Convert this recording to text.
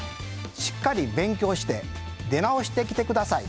しっかり勉強して出直してきて下さい。